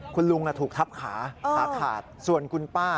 คุณลุงถูกทับขาส่วนคุณป้า